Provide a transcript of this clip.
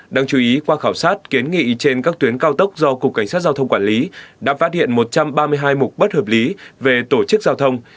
đáng chú ý qua khảo sát kiến nghị trên các tuyến cao tốc do cục cảnh sát giao thông quản lý đã phát hiện một trăm ba mươi hai mục bất hợp lý về tổ chức giao thông